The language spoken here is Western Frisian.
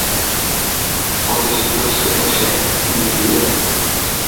Wat is it grutste ynsekt yn dyn buert?